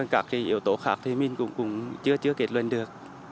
các yếu tố khác thì mình cũng chưa kết luận được